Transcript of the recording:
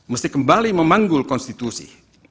mesti kembali memanggul konstitusi